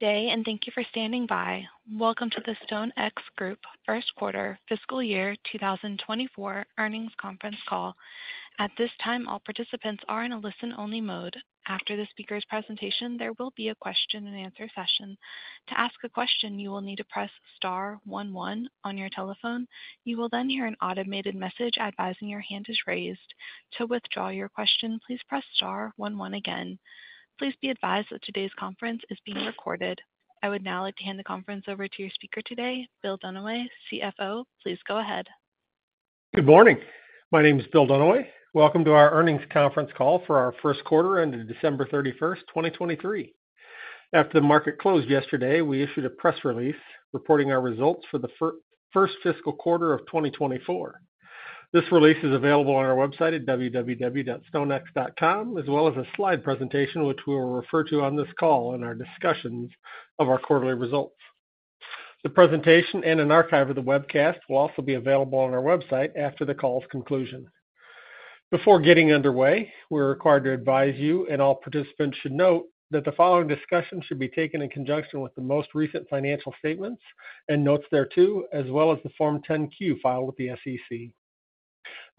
Thank you for standing by. Welcome to the StoneX Group first quarter fiscal year 2024 earnings conference call. At this time, all participants are in a listen-only mode. After the speaker's presentation, there will be a question and answer session. To ask a question, you will need to press star 11 on your telephone. You will then hear an automated message advising your hand is raised. To withdraw your question, please press star 11 again. Please be advised that today's conference is being recorded. I would now like to hand the conference over to your speaker today, Bill Dunaway, CFO. Please go ahead. Good morning. My name is Bill Dunaway. Welcome to our earnings conference call for our first quarter ended December 31st, 2023. After the market closed yesterday, we issued a press release reporting our results for the first fiscal quarter of 2024. This release is available on our website at www.stonex.com, as well as a slide presentation, which we will refer to on this call in our discussions of our quarterly results. The presentation and an archive of the webcast will also be available on our website after the call's conclusion. Before getting underway, we're required to advise you, and all participants should note, that the following discussion should be taken in conjunction with the most recent financial statements and notes thereto, as well as the Form 10-Q filed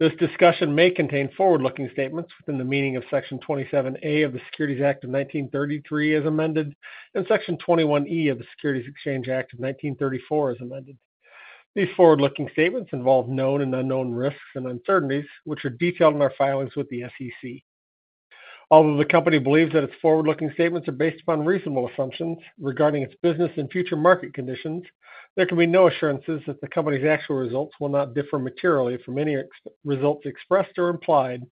with the SEC. This discussion may contain forward-looking statements within the meaning of Section 27A of the Securities Act of 1933 as amended, and Section 21E of the Securities Exchange Act of 1934 as amended. These forward-looking statements involve known and unknown risks and uncertainties, which are detailed in our filings with the SEC. Although the company believes that its forward-looking statements are based upon reasonable assumptions regarding its business and future market conditions, there can be no assurances that the company's actual results will not differ materially from any results expressed or implied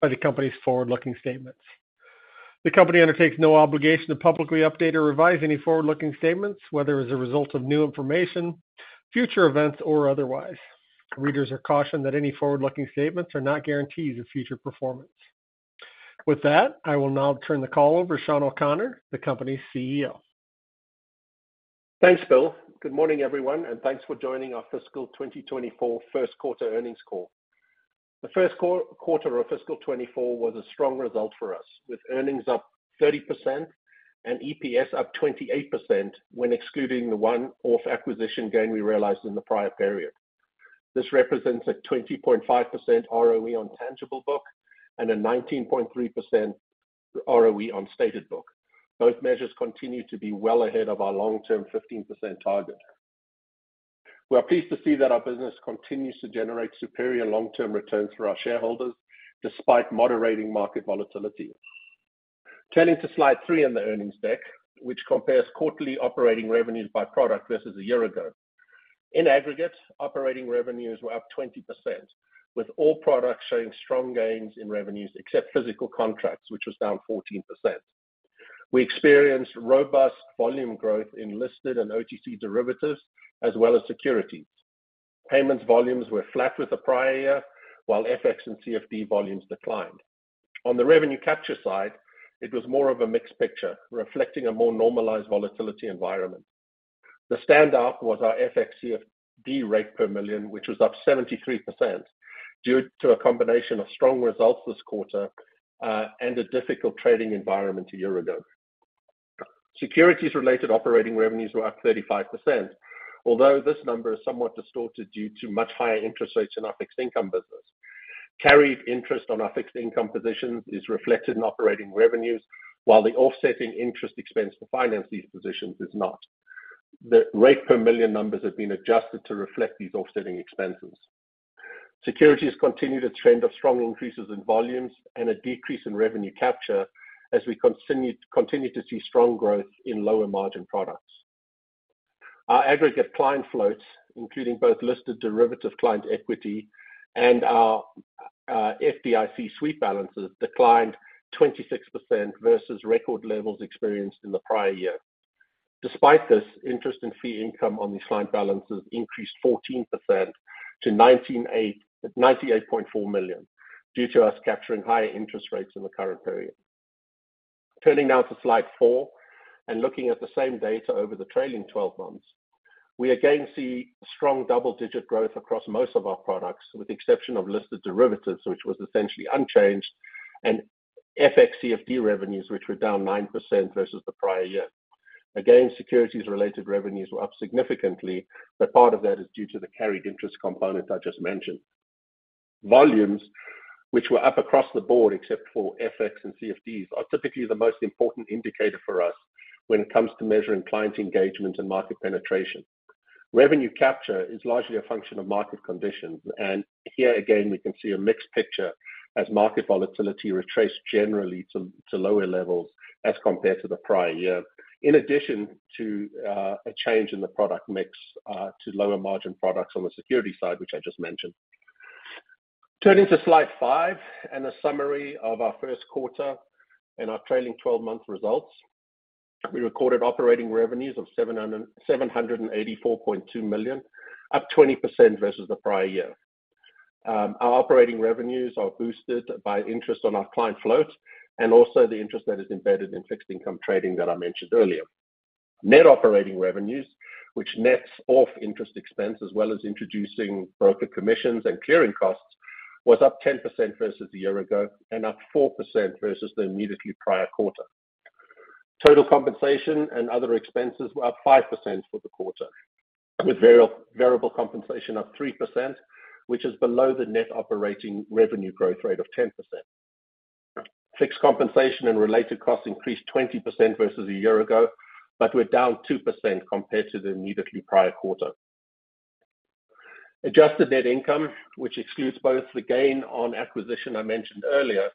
by the company's forward-looking statements. The company undertakes no obligation to publicly update or revise any forward-looking statements, whether as a result of new information, future events, or otherwise. Readers are cautioned that any forward-looking statements are not guarantees of future performance. With that, I will now turn the call over to Sean O'Connor, the company's CEO. Thanks, Bill. Good morning, everyone, and thanks for joining our fiscal 2024 first quarter earnings call. The first quarter of fiscal 2024 was a strong result for us, with earnings up 30% and EPS up 28% when excluding the one-off acquisition gain we realized in the prior period. This represents a 20.5% ROE on tangible book and a 19.3% ROE on stated book. Both measures continue to be well ahead of our long-term 15% target. We are pleased to see that our business continues to generate superior long-term returns for our shareholders, despite moderating market volatility. Turning to slide 3 on the earnings deck, which compares quarterly operating revenues by product versus a year ago. In aggregate, operating revenues were up 20%, with all products showing strong gains in revenues, except physical contracts, which was down 14%. We experienced robust volume growth in listed and OTC derivatives, as well as securities. Payments volumes were flat with the prior year, while FX and CFD volumes declined. On the revenue capture side, it was more of a mixed picture, reflecting a more normalized volatility environment. The standout was our FX CFD rate per million, which was up 73%, due to a combination of strong results this quarter, and a difficult trading environment a year ago. Securities-related operating revenues were up 35%, although this number is somewhat distorted due to much higher interest rates in our fixed income business. Carried interest on our fixed income positions is reflected in operating revenues, while the offsetting interest expense to finance these positions is not. The rate per million numbers have been adjusted to reflect these offsetting expenses. Securities continued a trend of strong increases in volumes and a decrease in revenue capture as we continue to see strong growth in lower-margin products. Our aggregate client floats, including both listed derivative client equity and our FDIC sweep balances, declined 26% versus record levels experienced in the prior year. Despite this, interest and fee income on these client balances increased 14% to $98.4 million, due to us capturing higher interest rates in the current period. Turning now to slide 4 and looking at the same data over the trailing twelve months, we again see strong double-digit growth across most of our products, with the exception of listed derivatives, which was essentially unchanged, and FX/CFD revenues, which were down 9% versus the prior year. Again, securities-related revenues were up significantly, but part of that is due to the carried interest component I just mentioned. Volumes, which were up across the board except for FX and CFDs, are typically the most important indicator for us when it comes to measuring client engagement and market penetration. Revenue capture is largely a function of market conditions, and here again, we can see a mixed picture as market volatility retraced generally to lower levels as compared to the prior year, in addition to a change in the product mix to lower-margin products on the securities side, which I just mentioned. Turning to slide five and a summary of our first quarter and our trailing twelve-month results. We recorded operating revenues of $784.2 million, up 20% versus the prior year. Our operating revenues are boosted by interest on our client float, and also the interest that is embedded in fixed income trading that I mentioned earlier. Net operating revenues, which nets off interest expense, as well as introducing broker commissions and clearing costs, was up 10% versus a year ago, and up 4% versus the immediately prior quarter. Total compensation and other expenses were up 5% for the quarter, with variable compensation up 3%, which is below the net operating revenue growth rate of 10%. Fixed compensation and related costs increased 20% versus a year ago, but were down 2% compared to the immediately prior quarter. Adjusted net income, which excludes both the gain on acquisition I mentioned earlier,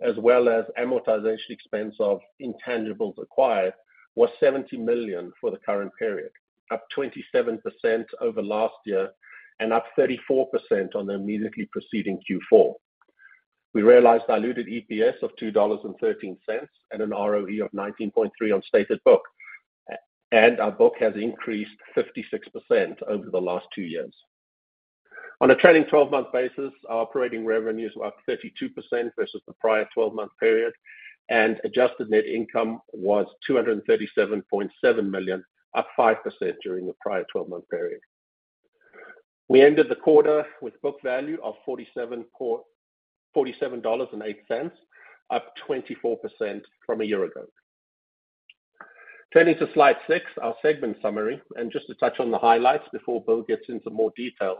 as well as amortization expense of intangibles acquired, was $70 million for the current period, up 27% over last year and up 34% on the immediately preceding Q4. We realized diluted EPS of $2.13, and an ROE of 19.3% on stated book. Our book has increased 56% over the last two years. On a trailing 12-month basis, our operating revenues were up 32% versus the prior 12-month period, and adjusted net income was $237.7 million, up 5% during the prior 12-month period. We ended the quarter with book value of $47.08, up 24% from a year ago. Turning to slide 6, our segment summary, and just to touch on the highlights before Bill gets into more details.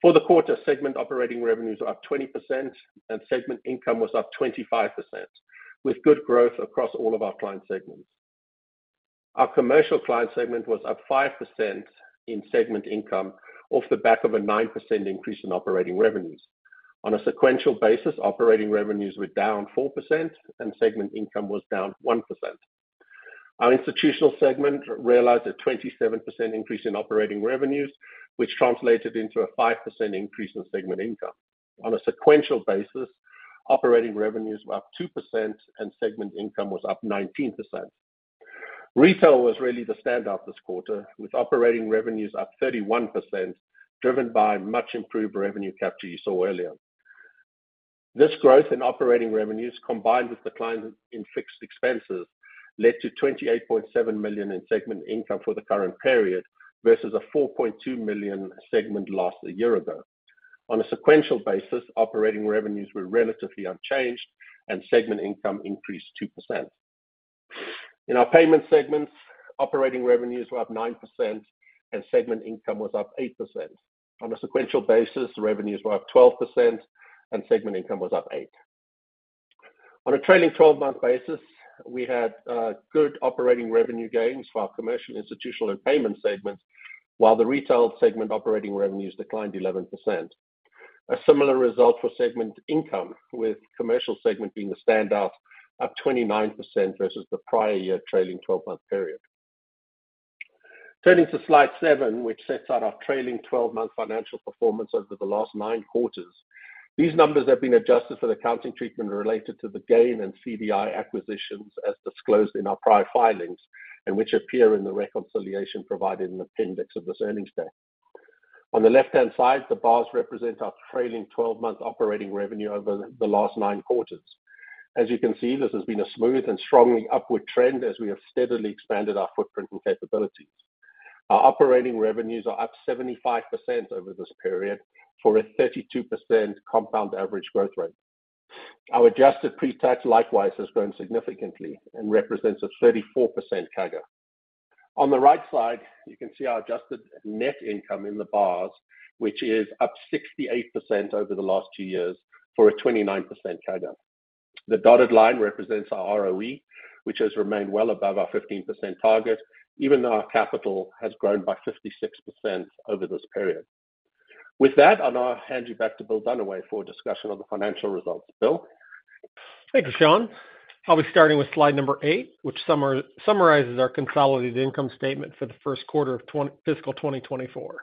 For the quarter, segment operating revenues are up 20% and segment income was up 25%, with good growth across all of our client segments. Our commercial client segment was up 5% in segment income, off the back of a 9% increase in operating revenues. On a sequential basis, operating revenues were down 4% and segment income was down 1%. Our institutional segment realized a 27% increase in operating revenues, which translated into a 5% increase in segment income. On a sequential basis, operating revenues were up 2% and segment income was up 19%. Retail was really the standout this quarter, with operating revenues up 31%, driven by much improved revenue capture you saw earlier. This growth in operating revenues, combined with the decline in fixed expenses, led to $28.7 million in segment income for the current period, versus a $4.2 million segment loss a year ago. On a sequential basis, operating revenues were relatively unchanged and segment income increased 2%. In our payment segments, operating revenues were up 9% and segment income was up 8%. On a sequential basis, revenues were up 12% and segment income was up 8%. On a trailing 12-month basis, we had good operating revenue gains for our commercial, institutional, and payment segments, while the retail segment operating revenues declined 11%. A similar result for segment income, with commercial segment being the standout, up 29% versus the prior year trailing 12-month period. Turning to slide 7, which sets out our trailing 12-month financial performance over the last 9 quarters. These numbers have been adjusted for the accounting treatment related to the gain in CDI acquisitions, as disclosed in our prior filings, and which appear in the reconciliation provided in the appendix of this earnings deck. On the left-hand side, the bars represent our trailing twelve-month operating revenue over the last nine quarters. As you can see, this has been a smooth and strongly upward trend as we have steadily expanded our footprint and capabilities. Our operating revenues are up 75% over this period, for a 32% compound average growth rate. Our adjusted pretax, likewise, has grown significantly and represents a 34% CAGR. On the right side, you can see our adjusted net income in the bars, which is up 68% over the last two years for a 29% CAGR. The dotted line represents our ROE, which has remained well above our 15% target, even though our capital has grown by 56% over this period. With that, I'll now hand you back to Bill Dunaway for a discussion on the financial results. Bill? Thank you, Sean. I'll be starting with slide 8, which summarizes our consolidated income statement for the first quarter of fiscal 2024.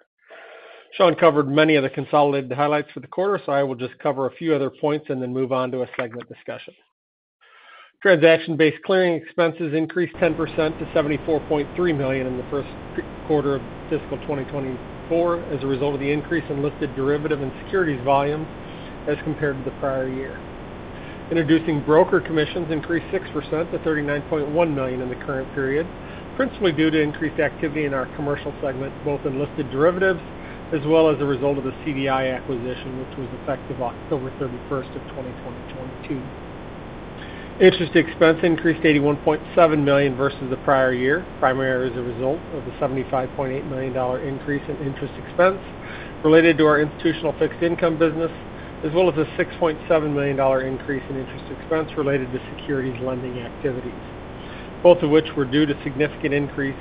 Sean covered many of the consolidated highlights for the quarter, so I will just cover a few other points and then move on to a segment discussion. Transaction-based clearing expenses increased 10% to $74.3 million in the first quarter of fiscal 2024, as a result of the increase in listed derivative and securities volumes as compared to the prior year. Introducing broker commissions increased 6% to $39.1 million in the current period, principally due to increased activity in our commercial segment, both in listed derivatives as well as a result of the CDI acquisition, which was effective October 31, 2022. Interest expense increased to $81.7 million versus the prior year, primarily as a result of the $75.8 million increase in interest expense related to our institutional fixed income business, as well as a $6.7 million increase in interest expense related to securities lending activities. Both of which were due to significant increase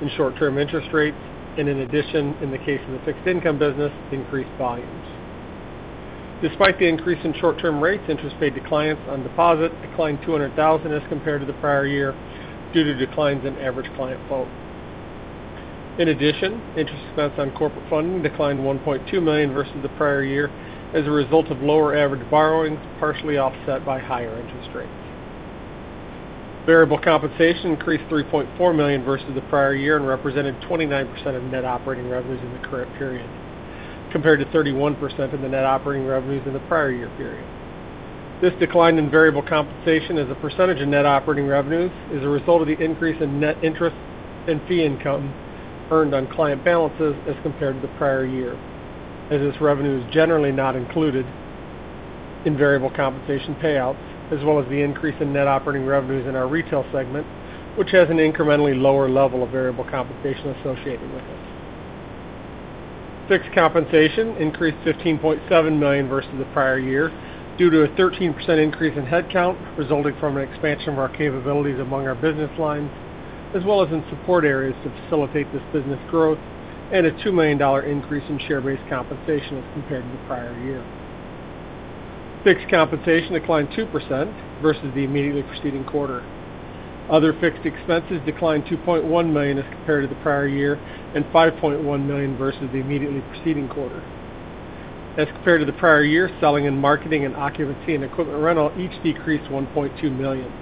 in short-term interest rates, and in addition, in the case of the fixed income business, increased volumes. Despite the increase in short-term rates, interest paid to clients on deposit declined $200,000 as compared to the prior year, due to declines in average client flow. In addition, interest expense on corporate funding declined $1.2 million versus the prior year, as a result of lower average borrowings, partially offset by higher interest rates. Variable compensation increased $3.4 million versus the prior year and represented 29% of net operating revenues in the current period, compared to 31% of the net operating revenues in the prior year period. This decline in variable compensation as a percentage of net operating revenues is a result of the increase in net interest and fee income earned on client balances as compared to the prior year, as this revenue is generally not included in variable compensation payouts, as well as the increase in net operating revenues in our retail segment, which has an incrementally lower level of variable compensation associated with it. Fixed compensation increased $15.7 million versus the prior year, due to a 13% increase in headcount, resulting from an expansion of our capabilities among our business lines, as well as in support areas to facilitate this business growth, and a $2 million increase in share-based compensation as compared to the prior year. Fixed compensation declined 2% versus the immediately preceding quarter. Other fixed expenses declined $2.1 million as compared to the prior year, and $5.1 million versus the immediately preceding quarter. As compared to the prior year, selling and marketing, and occupancy and equipment rental each decreased $1.2 million.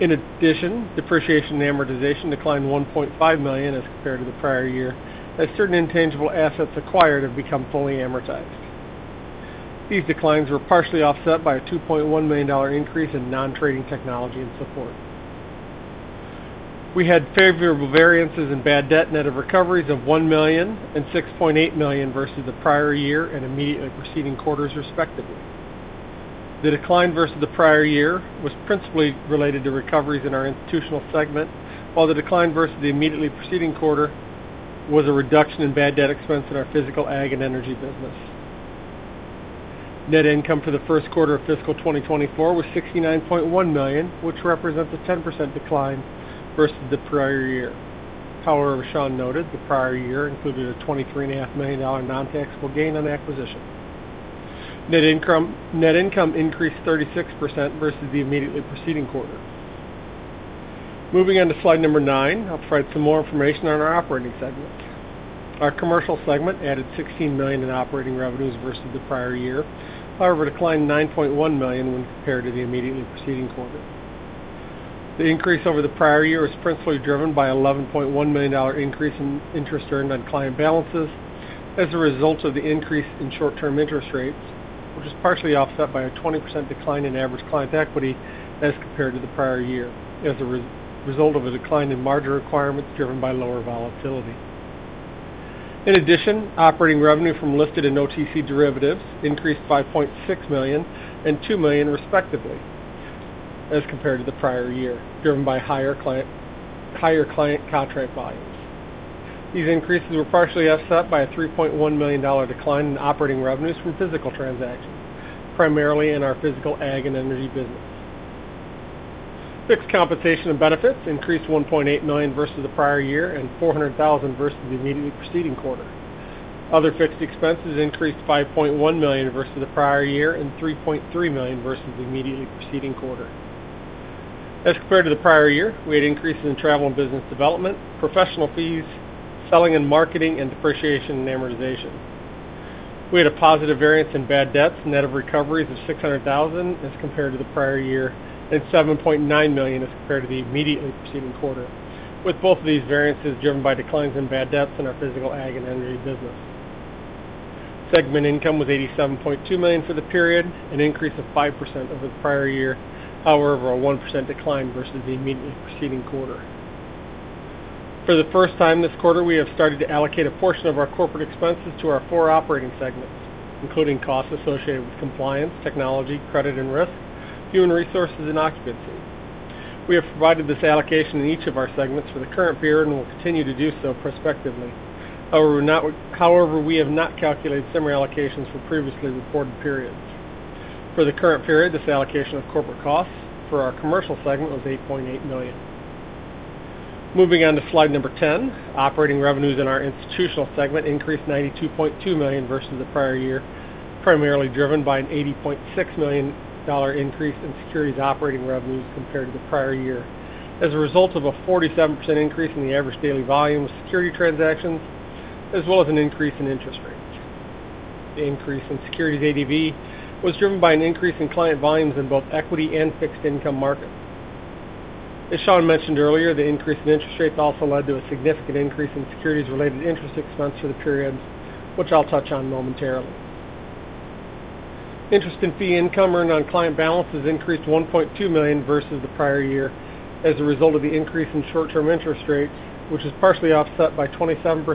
In addition, depreciation and amortization declined $1.5 million as compared to the prior year, as certain intangible assets acquired have become fully amortized. These declines were partially offset by a $2.1 million increase in non-trading technology and support. We had favorable variances in bad debt net of recoveries of $1 million and $6.8 million versus the prior year and immediately preceding quarters, respectively. The decline versus the prior year was principally related to recoveries in our institutional segment, while the decline versus the immediately preceding quarter was a reduction in bad debt expense in our physical Ag and energy business. Net income for the first quarter of fiscal 2024 was $69.1 million, which represents a 10% decline versus the prior year. However, Sean noted the prior year included a $23.5 million non-taxable gain on acquisition. Net income, net income increased 36% versus the immediately preceding quarter. Moving on to slide number 9, I'll provide some more information on our operating segments. Our commercial segment added $16 million in operating revenues versus the prior year, however, declined $9.1 million when compared to the immediately preceding quarter. The increase over the prior year was principally driven by $11.1 million increase in interest earned on client balances as a result of the increase in short-term interest rates, which is partially offset by a 20% decline in average client equity as compared to the prior year, as a result of a decline in margin requirements driven by lower volatility. In addition, operating revenue from listed and OTC derivatives increased $5.6 million and $2 million, respectively, as compared to the prior year, driven by higher client contract volumes. These increases were partially offset by a $3.1 million decline in operating revenues from physical transactions, primarily in our physical Ag and energy business. Fixed compensation and benefits increased $1.8 million versus the prior year, and $400,000 versus the immediately preceding quarter. Other fixed expenses increased $5.1 million versus the prior year, and $3.3 million versus the immediately preceding quarter. As compared to the prior year, we had increases in travel and business development, professional fees, selling and marketing, and depreciation and amortization. We had a positive variance in bad debts net of recoveries of $600,000 as compared to the prior year, and $7.9 million as compared to the immediately preceding quarter, with both of these variances driven by declines in bad debts in our physical, ag, and energy business. Segment income was $87.2 million for the period, an increase of 5% over the prior year, however, a 1% decline versus the immediately preceding quarter. For the first time this quarter, we have started to allocate a portion of our corporate expenses to our four operating segments, including costs associated with compliance, technology, credit and risk, human resources and occupancy. We have provided this allocation in each of our segments for the current period and will continue to do so prospectively. However, we have not calculated similar allocations for previously reported periods. For the current period, this allocation of corporate costs for our commercial segment was $8.8 million. Moving on to slide 10. Operating revenues in our institutional segment increased $92.2 million versus the prior year, primarily driven by an $80.6 million increase in securities operating revenues compared to the prior year as a result of a 47% increase in the average daily volume of security transactions, as well as an increase in interest rates. The increase in securities ADV was driven by an increase in client volumes in both equity and fixed income markets. As Sean mentioned earlier, the increase in interest rates also led to a significant increase in securities-related interest expense for the period, which I'll touch on momentarily. Interest and fee income earned on client balances increased $1.2 million versus the prior year as a result of the increase in short-term interest rates, which is partially offset by 27%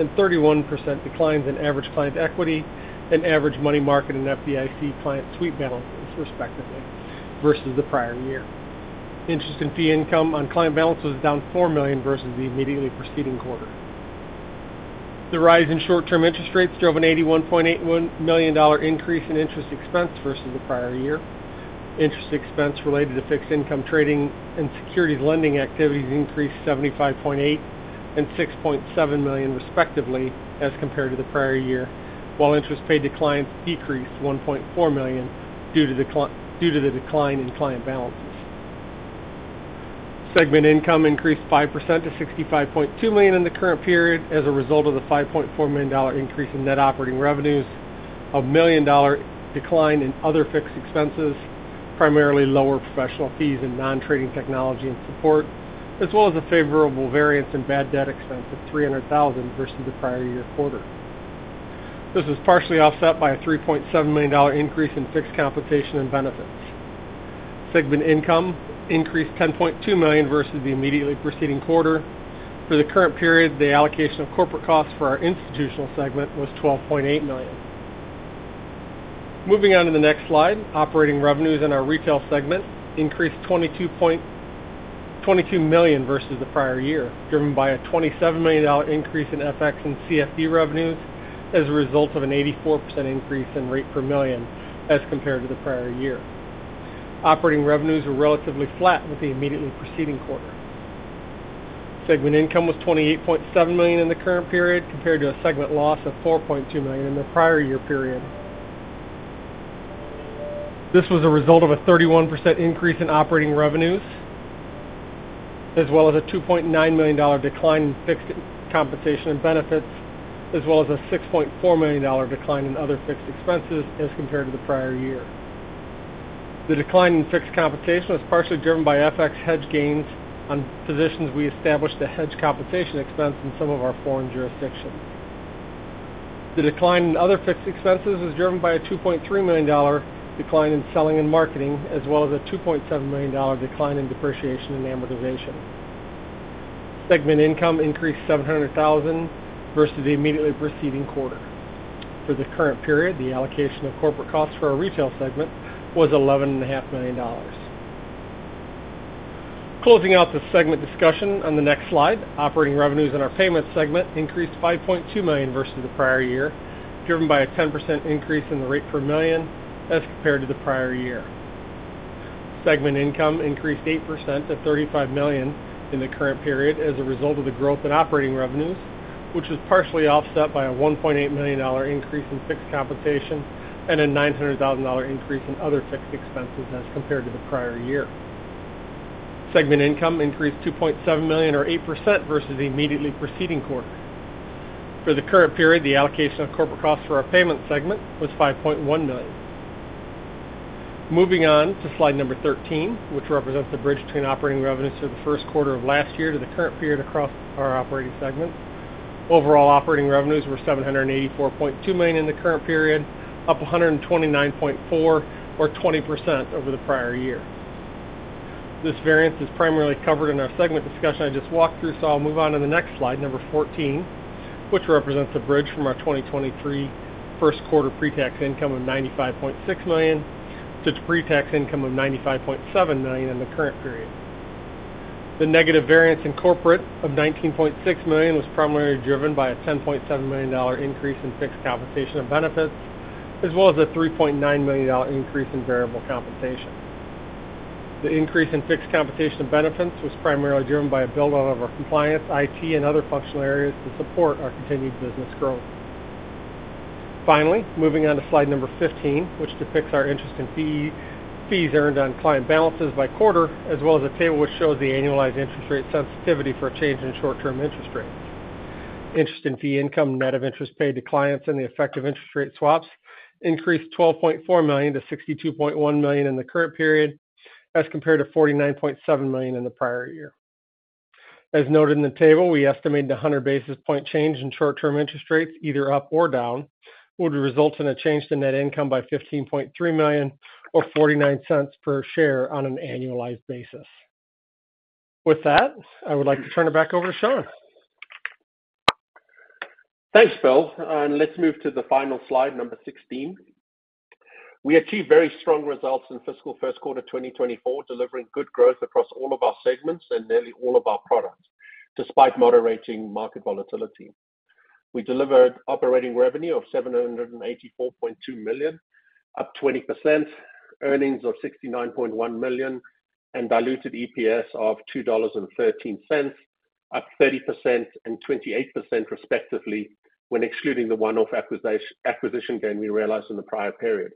and 31% declines in average client equity and average money market and FDIC client sweep balances, respectively, versus the prior year. Interest and fee income on client balances is down $4 million versus the immediately preceding quarter. The rise in short-term interest rates drove an $81.81 million increase in interest expense versus the prior year. Interest expense related to fixed income trading and securities lending activities increased $75.8 million and $6.7 million, respectively, as compared to the prior year. While interest paid to clients decreased $1.4 million due to the decline in client balances. Segment income increased 5% to $65.2 million in the current period as a result of the $5.4 million increase in net operating revenues, a $1 million decline in other fixed expenses, primarily lower professional fees and non-trading technology and support, as well as a favorable variance in bad debt expense of $300,000 versus the prior year quarter. This was partially offset by a $3.7 million increase in fixed compensation and benefits. Segment income increased $10.2 million versus the immediately preceding quarter. For the current period, the allocation of corporate costs for our institutional segment was $12.8 million. Moving on to the next slide, operating revenues in our retail segment increased $22 million versus the prior year, driven by a $27 million increase in FX and CFD revenues as a result of an 84% increase in rate per million as compared to the prior year. Operating revenues were relatively flat with the immediately preceding quarter. Segment income was $28.7 million in the current period, compared to a segment loss of $4.2 million in the prior year period. This was a result of a 31% increase in operating revenues, as well as a $2.9 million decline in fixed compensation and benefits, as well as a $6.4 million decline in other fixed expenses as compared to the prior year. The decline in fixed compensation was partially driven by FX hedge gains on positions we established to hedge compensation expense in some of our foreign jurisdictions. The decline in other fixed expenses was driven by a $2.3 million decline in selling and marketing, as well as a $2.7 million decline in depreciation and amortization. Segment income increased $700,000 versus the immediately preceding quarter. For the current period, the allocation of corporate costs for our retail segment was $11.5 million. Closing out the segment discussion on the next slide, operating revenues in our payments segment increased $5.2 million versus the prior year, driven by a 10% increase in the rate per million as compared to the prior year. Segment income increased 8% to $35 million in the current period as a result of the growth in operating revenues, which was partially offset by a $1.8 million increase in fixed compensation and a $900,000 increase in other fixed expenses as compared to the prior year. Segment income increased $2.7 million, or 8%, versus the immediately preceding quarter. For the current period, the allocation of corporate costs for our payment segment was $5.1 million. Moving on to slide number 13, which represents the bridge between operating revenues for the first quarter of last year to the current period across our operating segments. Overall, operating revenues were $784.2 million in the current period, up $129.4, or 20% over the prior year. This variance is primarily covered in our segment discussion I just walked through, so I'll move on to the next slide, number 14, which represents the bridge from our 2023 first quarter pre-tax income of $95.6 million to pre-tax income of $95.7 million in the current period. The negative variance in corporate of $19.6 million was primarily driven by a $10.7 million increase in fixed compensation and benefits, as well as a $3.9 million increase in variable compensation. The increase in fixed compensation and benefits was primarily driven by a build-out of our compliance, IT, and other functional areas to support our continued business growth. Finally, moving on to slide number 15, which depicts our interest and fee income earned on client balances by quarter, as well as a table which shows the annualized interest rate sensitivity for a change in short-term interest rates. Interest and fee income, net of interest paid to clients and the interest rate swaps, increased $12.4 million to $62.1 million in the current period, as compared to $49.7 million in the prior year. As noted in the table, we estimate a 100 basis point change in short-term interest rates, either up or down, would result in a change to net income by $15.3 million or $0.49 per share on an annualized basis. With that, I would like to turn it back over to Sean. Thanks, Bill. Let's move to the final slide, number 16. We achieved very strong results in fiscal first quarter of 2024, delivering good growth across all of our segments and nearly all of our products, despite moderating market volatility. We delivered operating revenue of $784.2 million, up 20%, earnings of $69.1 million, and diluted EPS of $2.13, up 30% and 28% respectively, when excluding the one-off acquisition gain we realized in the prior period.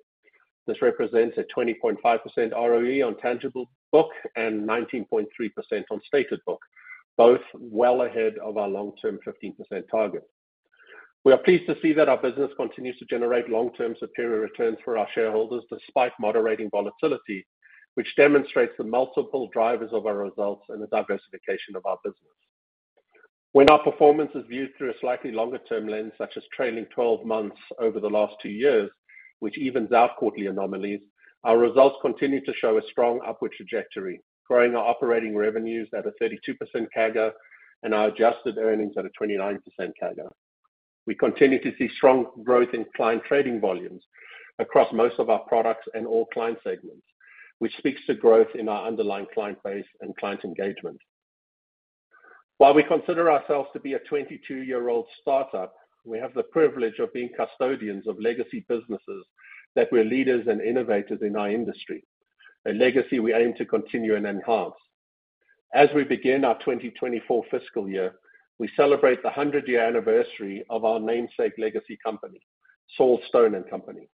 This represents a 20.5% ROE on tangible book and 19.3% on stated book, both well ahead of our long-term 15% target. We are pleased to see that our business continues to generate long-term superior returns for our shareholders, despite moderating volatility, which demonstrates the multiple drivers of our results and the diversification of our business. When our performance is viewed through a slightly longer-term lens, such as trailing 12 months over the last 2 years, which evens out quarterly anomalies, our results continue to show a strong upward trajectory, growing our operating revenues at a 32% CAGR and our adjusted earnings at a 29% CAGR. We continue to see strong growth in client trading volumes across most of our products and all client segments, which speaks to growth in our underlying client base and client engagement. While we consider ourselves to be a 22-year-old startup, we have the privilege of being custodians of legacy businesses that we're leaders and innovators in our industry, a legacy we aim to continue and enhance. As we begin our 2024 fiscal year, we celebrate the 100-year anniversary of our namesake legacy company, Saul Stone & Company.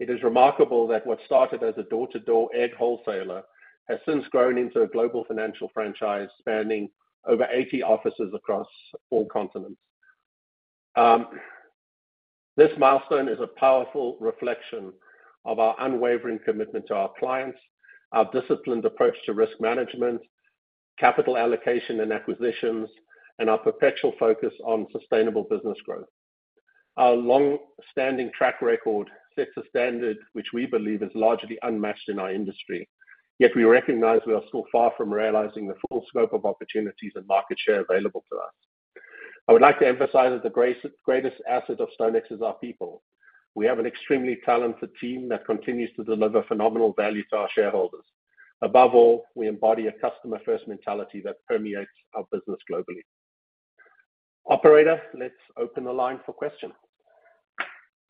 It is remarkable that what started as a door-to-door egg wholesaler, has since grown into a global financial franchise spanning over 80 offices across all continents. This milestone is a powerful reflection of our unwavering commitment to our clients, our disciplined approach to risk management, capital allocation, and acquisitions, and our perpetual focus on sustainable business growth. Our long-standing track record sets a standard which we believe is largely unmatched in our industry, yet we recognize we are still far from realizing the full scope of opportunities and market share available to us. I would like to emphasize that the greatest asset of StoneX is our people. We have an extremely talented team that continues to deliver phenomenal value to our shareholders. Above all, we embody a customer-first mentality that permeates our business globally. Operator, let's open the line for questions.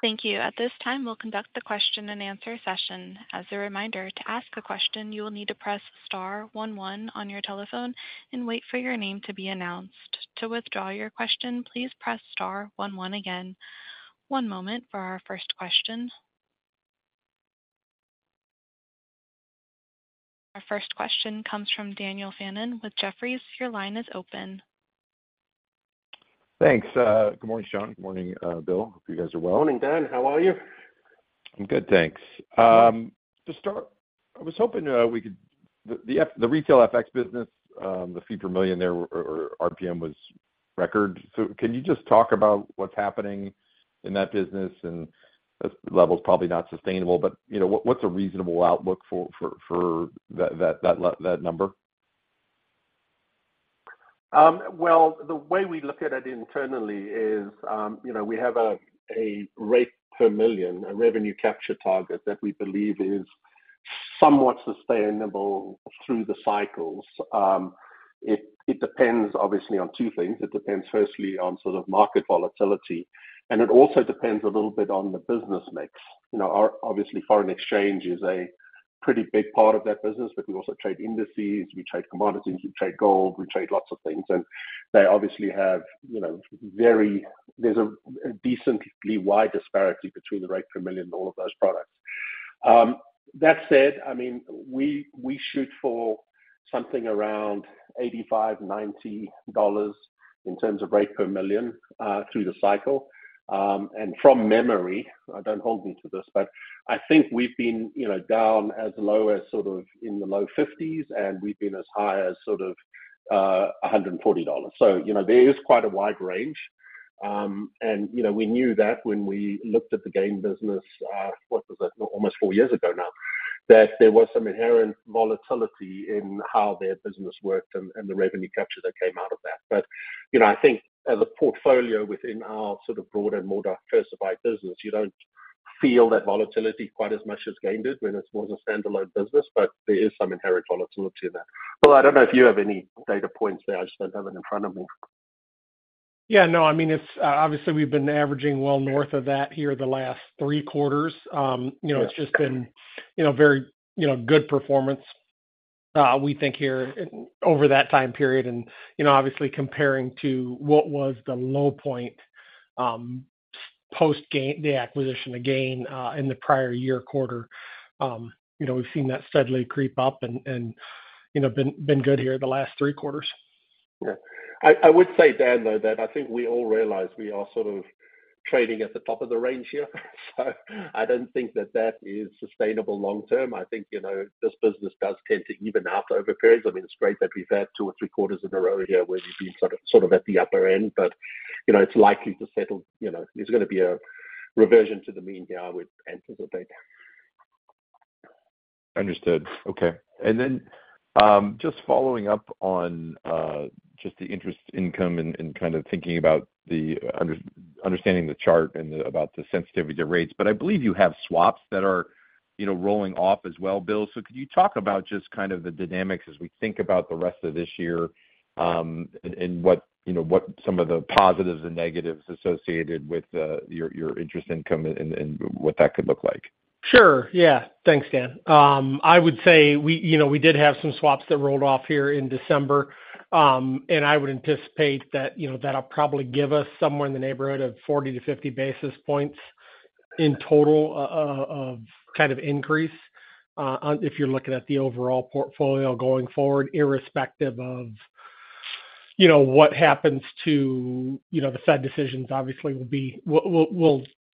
Thank you. At this time, we'll conduct the question and answer session. As a reminder, to ask a question, you will need to press star one one on your telephone and wait for your name to be announced. To withdraw your question, please press star one one again. One moment for our first question. Our first question comes from Daniel Fannon with Jefferies. Your line is open. Thanks, good morning, Sean. Morning, Bill. Hope you guys are well. Morning, Dan. How are you? I'm good, thanks. To start, I was hoping we could... The retail FX business, the fee per million there or RPM was record. So can you just talk about what's happening in that business? That level is probably not sustainable, but, you know, what's a reasonable outlook for that number? Well, the way we look at it internally is, you know, we have a rate per million, a revenue capture target that we believe is somewhat sustainable through the cycles. It depends, obviously, on two things. It depends, firstly, on sort of market volatility, and it also depends a little bit on the business mix. You know, our, obviously, foreign exchange is a pretty big part of that business, but we also trade indices, we trade commodities, we trade gold, we trade lots of things, and they obviously have, you know, a decently wide disparity between the rate per million and all of those products. That said, I mean, we shoot for something around $85-$90 in terms of rate per million, through the cycle. From memory, don't hold me to this, but I think we've been, you know, down as low as sort of in the low fifties, and we've been as high as sort of $140. So, you know, there is quite a wide range. And, you know, we knew that when we looked at the Gain business, what was it? Almost four years ago now, that there was some inherent volatility in how their business worked and the revenue capture that came out of that. But, you know, I think as a portfolio within our sort of broader, more diversified business, you don't feel that volatility quite as much as Gain did when it was a standalone business, but there is some inherent volatility in that. Bill, I don't know if you have any data points there. I just don't have it in front of me. Yeah, no, I mean, it's obviously we've been averaging well north of that here the last three quarters. You know- Yes. It's just been, you know, very, you know, good performance, we think here over that time period. And, you know, obviously comparing to what was the low point, post-Gain, the acquisition of Gain, in the prior year quarter. You know, we've seen that steadily creep up and, you know, been good here the last three quarters. Yeah. I would say, Dan, though, that I think we all realize we are sort of trading at the top of the range here, so I don't think that that is sustainable long term. I think, you know, this business does tend to even out over periods. I mean, it's great that we've had two or three quarters in a row here where we've been sort of at the upper end, but, you know, it's likely to settle. You know, there's gonna be a reversion to the mean here, I would anticipate. Understood. Okay. And then, just following up on just the interest income and kind of thinking about understanding the chart and about the sensitivity to rates. But I believe you have swaps that are, you know, rolling off as well, Bill. So could you talk about just kind of the dynamics as we think about the rest of this year and what, you know, what some of the positives and negatives associated with your interest income and what that could look like? Sure, yeah. Thanks, Dan. I would say we, you know, we did have some swaps that rolled off here in December. And I would anticipate that, you know, that'll probably give us somewhere in the neighborhood of 40-50 basis points in total, of kind of increase, on... if you're looking at the overall portfolio going forward, irrespective of, you know, what happens to, you know, the Fed decisions obviously will be,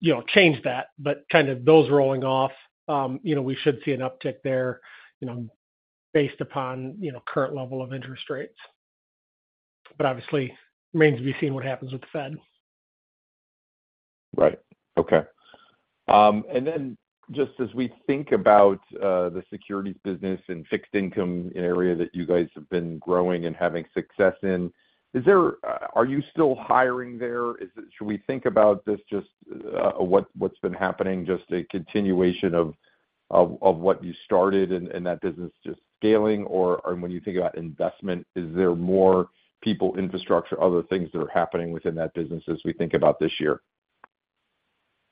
you know, change that. But kind of those rolling off, you know, we should see an uptick there, you know, based upon, you know, current level of interest rates. But obviously, remains to be seen what happens with the Fed. Right. Okay. And then just as we think about the securities business and fixed income area that you guys have been growing and having success in, is there, are you still hiring there? Is it—should we think about this just, what, what's been happening, just a continuation of, of, of what you started and, and that business just scaling? Or, or when you think about investment, is there more people, infrastructure, other things that are happening within that business as we think about this year?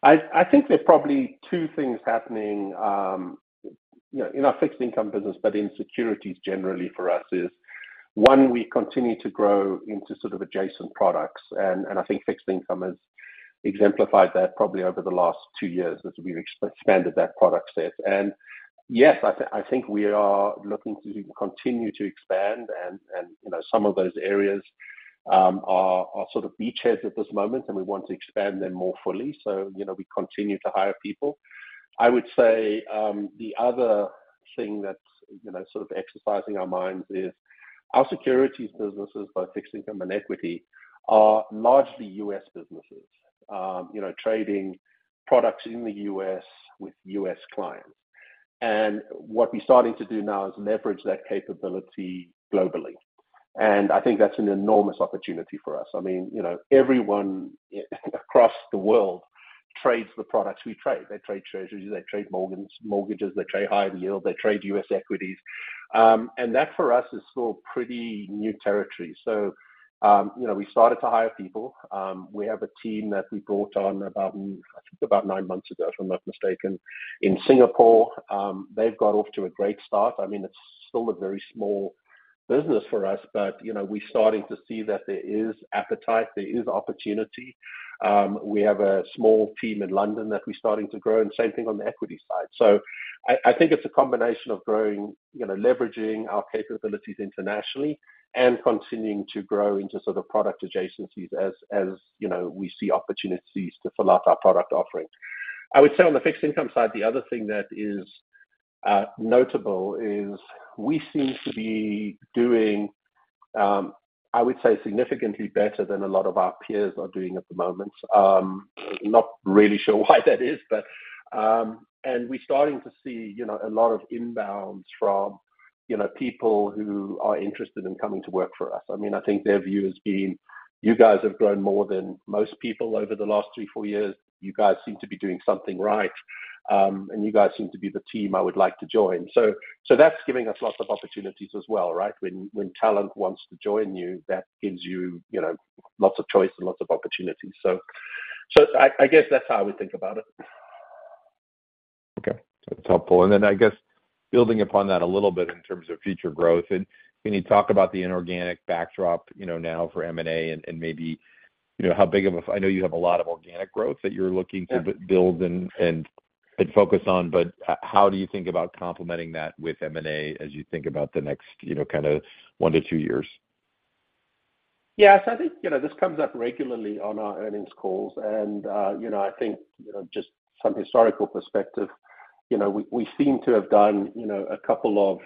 I think there's probably two things happening, you know, in our fixed income business, but in securities generally for us is, one, we continue to grow into sort of adjacent products. And I think fixed income has exemplified that probably over the last two years as we've expanded that product set. And yes, I think we are looking to continue to expand and, you know, some of those areas are sort of beachheads at this moment, and we want to expand them more fully. So, you know, we continue to hire people. I would say, the other thing that's, you know, sort of exercising our minds is our securities businesses, both fixed income and equity, are largely U.S. businesses. You know, trading products in the U.S. with U.S. clients. What we're starting to do now is leverage that capability globally, and I think that's an enormous opportunity for us. I mean, you know, everyone across the world trades the products we trade. They trade treasuries, they trade mortgages, they trade high yield, they trade U.S. equities. And that, for us, is still pretty new territory. So, you know, we started to hire people. We have a team that we brought on about, I think about nine months ago, if I'm not mistaken, in Singapore. They've got off to a great start. I mean, it's still a very small business for us, but, you know, we're starting to see that there is appetite, there is opportunity. We have a small team in London that we're starting to grow, and same thing on the equity side. So I, I think it's a combination of growing, you know, leveraging our capabilities internationally and continuing to grow into sort of product adjacencies as, as, you know, we see opportunities to fill out our product offering. I would say on the fixed income side, the other thing that is notable is we seem to be doing, I would say, significantly better than a lot of our peers are doing at the moment. Not really sure why that is, but... And we're starting to see, you know, a lot of inbounds from, you know, people who are interested in coming to work for us. I mean, I think their view has been, "You guys have grown more than most people over the last three, four years. You guys seem to be doing something right, and you guys seem to be the team I would like to join." So that's giving us lots of opportunities as well, right? When talent wants to join you, that gives you, you know, lots of choice and lots of opportunities. So, I guess that's how we think about it. Okay, that's helpful. And then I guess building upon that a little bit in terms of future growth, and when you talk about the inorganic backdrop, you know, now for M&A and, and maybe, you know, how big of a... I know you have a lot of organic growth that you're looking to... Yeah... build and focus on, but how do you think about complementing that with M&A as you think about the next, you know, kinda 1-2 years? Yes, I think, you know, this comes up regularly on our earnings calls, and you know, I think, you know, just some historical perspective, you know, we seem to have done, you know, a couple of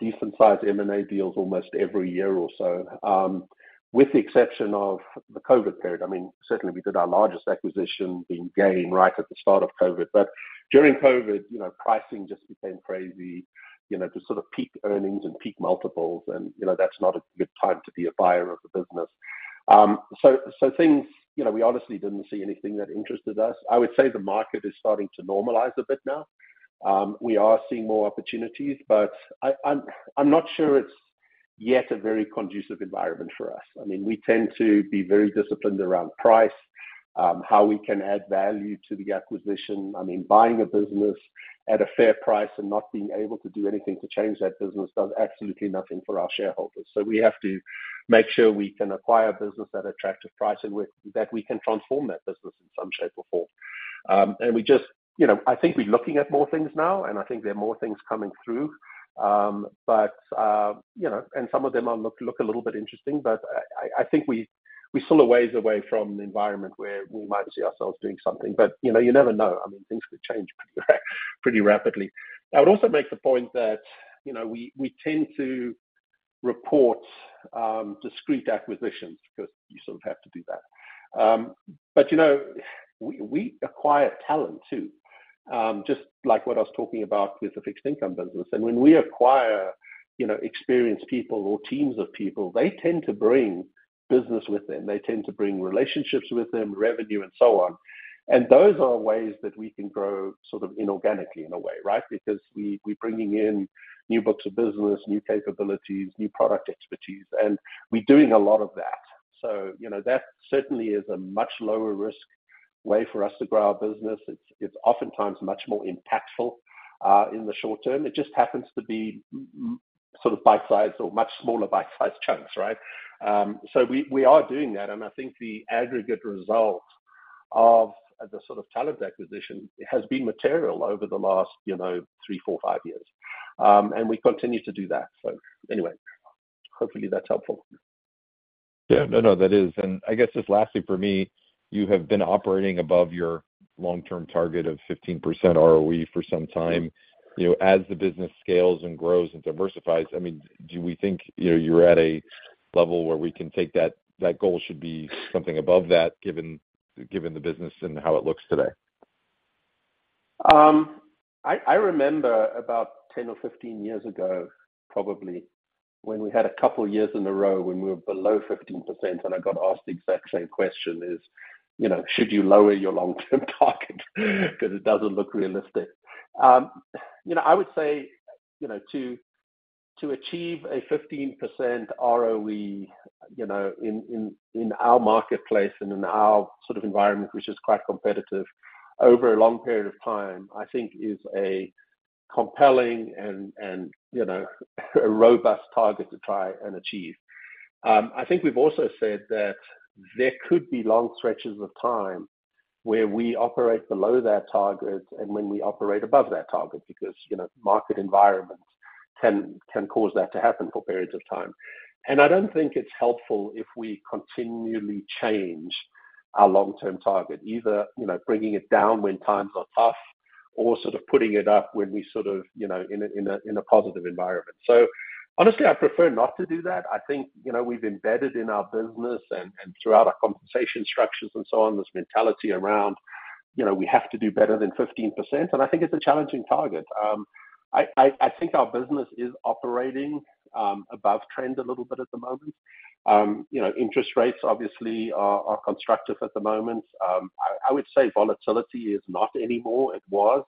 decent-sized M&A deals almost every year or so. With the exception of the COVID period, I mean, certainly we did our largest acquisition being Gain right at the start of COVID. But during COVID, you know, pricing just became crazy, you know, just sort of peak earnings and peak multiples and, you know, that's not a good time to be a buyer of the business. So things, you know, we honestly didn't see anything that interested us. I would say the market is starting to normalize a bit now. We are seeing more opportunities, but I'm not sure it's yet a very conducive environment for us. I mean, we tend to be very disciplined around price, how we can add value to the acquisition. I mean, buying a business at a fair price and not being able to do anything to change that business does absolutely nothing for our shareholders. So we have to make sure we can acquire business at attractive pricing, that we can transform that business in some shape or form. And we just, you know, I think we're looking at more things now, and I think there are more things coming through. But, you know, some of them look a little bit interesting, but I think we're still a ways away from the environment where we might see ourselves doing something. But, you know, you never know. I mean, things could change pretty rapidly. I would also make the point that, you know, we tend to report discrete acquisitions because you sort of have to do that. But, you know, we acquire talent, too. Just like what I was talking about with the fixed income business. And when we acquire, you know, experienced people or teams of people, they tend to bring business with them. They tend to bring relationships with them, revenue, and so on. And those are ways that we can grow sort of inorganically in a way, right? Because we're bringing in new books of business, new capabilities, new product expertise, and we're doing a lot of that. So, you know, that certainly is a much lower risk way for us to grow our business. It's oftentimes much more impactful in the short term. It just happens to be sort of bite-sized or much smaller bite-sized chunks, right? So we are doing that, and I think the aggregate result of the sort of talent acquisition has been material over the last, you know, three, four, five years. And we continue to do that. So anyway, hopefully that's helpful. Yeah. No, no, that is. I guess just lastly, for me, you have been operating above your long-term target of 15% ROE for some time. You know, as the business scales and grows and diversifies, I mean, do we think, you know, you're at a level where we can take that, that goal should be something above that, given, given the business and how it looks today? I remember about 10 or 15 years ago, probably, when we had a couple of years in a row when we were below 15%, and I got asked the exact same question, you know, "Should you lower your long-term target? Because it doesn't look realistic." You know, I would say, you know, to achieve a 15% ROE, you know, in our marketplace and in our sort of environment, which is quite competitive, over a long period of time, I think is a compelling and, you know, a robust target to try and achieve. I think we've also said that there could be long stretches of time where we operate below that target and when we operate above that target, because, you know, market environments can cause that to happen for periods of time. And I don't think it's helpful if we continually change our long-term target, either, you know, bringing it down when times are tough or sort of putting it up when we sort of, you know, in a positive environment. So honestly, I prefer not to do that. I think, you know, we've embedded in our business and throughout our compensation structures and so on, this mentality around, you know, we have to do better than 15%, and I think it's a challenging target. I think our business is operating above trend a little bit at the moment. You know, interest rates obviously are constructive at the moment. I would say volatility is not anymore. It was.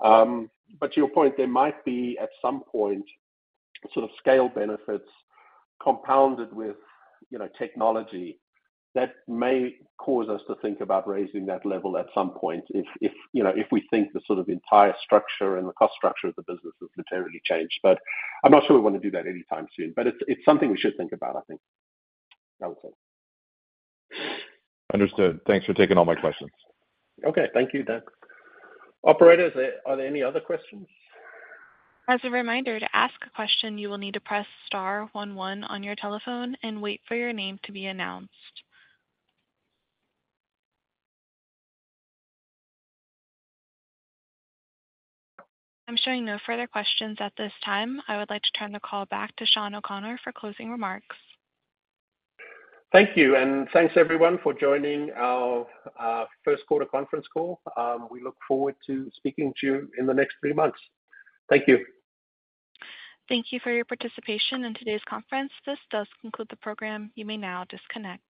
But to your point, there might be at some point sort of scale benefits compounded with, you know, technology that may cause us to think about raising that level at some point if, if, you know, if we think the sort of entire structure and the cost structure of the business has materially changed. But I'm not sure we wanna do that anytime soon, but it's, it's something we should think about, I think. I would say. Understood. Thanks for taking all my questions. Okay. Thank you, Dan. Operator, are there any other questions? As a reminder, to ask a question, you will need to press star one one on your telephone and wait for your name to be announced. I'm showing no further questions at this time. I would like to turn the call back to Sean O'Connor for closing remarks. Thank you, and thanks everyone for joining our first quarter conference call. We look forward to speaking to you in the next three months. Thank you. Thank you for your participation in today's conference. This does conclude the program. You may now disconnect.